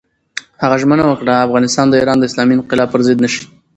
هغه ژمنه وکړه، افغانستان د ایران د اسلامي انقلاب پر ضد نه شي.